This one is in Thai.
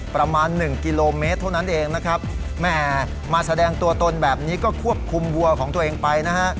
ประมาณหนึ่งกิโลเมตรเท่านั้นเองนะครับแม่มาแสดงตัวตนแบบนี้ก็ควบคุมวัวของตัวเองไปนะฮะ